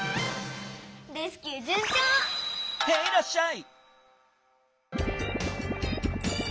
レスキューじゅんちょう！へいらっしゃい！